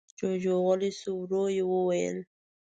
جُوجُو غلی شو. ورو يې وويل: